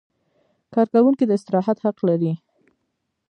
کارکوونکی د استراحت حق لري.